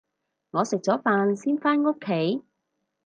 我食咗飯先返屋企